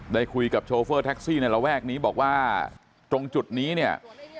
ได้คุยกับโชเฟอร์แท็กซี่ในระแวกนี้บอกว่าตรงจุดนี้เนี่ย